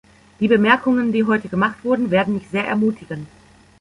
Die Bemerkungen, die heute gemacht wurden, werden mich sehr ermutigen.